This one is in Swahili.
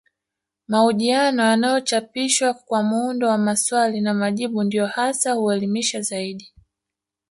Mahojiano yanayochapishwa kwa muundo wa maswali na majibu ndiyo hasa huelimisha zaidi